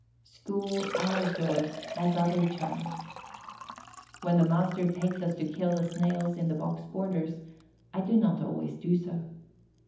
School out of doors has other charms. When the master takes us to kill the Snails in the box borders, I do not always do so.